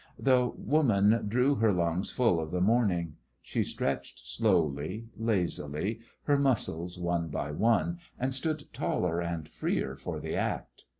The woman drew her lungs full of the morning. She stretched slowly, lazily, her muscles one by one, and stood taller and freer for the act.